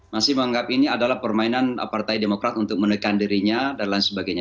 masih menganggap ini adalah permainan partai demokrat untuk menekan dirinya dan lain sebagainya